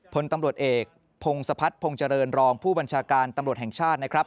พลตำรวจเอกพงศพัฒนพงษ์เจริญรองผู้บัญชาการตำรวจแห่งชาตินะครับ